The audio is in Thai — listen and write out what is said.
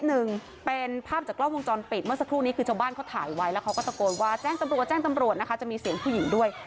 หนึ่งเป็นภาพจากกล้องวงจรปิดเมื่อสักครู่นี้คือชาวบ้านเขาถ่ายไว้แล้วเขาก็ตะโกนว่าแจ้งตำรวจแจ้งตำรวจนะคะจะมีเสียงผู้หญิงด้วย